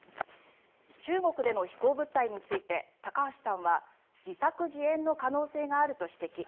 中国での飛行物体について高橋さんは自作自演の可能性があると指摘。